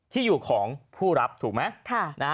ที่อยู่ของผู้รับถูกไหม